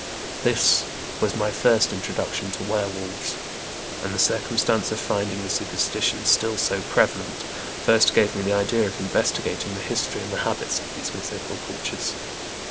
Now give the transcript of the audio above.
This was my first introduction to were wolves, and the circumstance of finding the superstition still so prevalent, first gave me the idea of investigating the history and the habits of these mythical creatures.